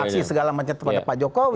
aksi segala macam terhadap pak jokowi